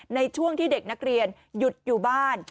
ในช่วงที่เด็กนักเรียนหยุดอยู่บ้าน